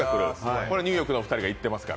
これはニューヨークの２人が行ってますから。